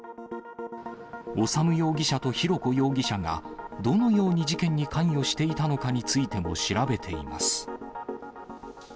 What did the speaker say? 修容疑者と浩子容疑者がどのように事件に関与していたのかについても調べています。